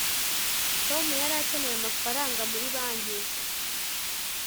tom yari akeneye amafaranga muri banki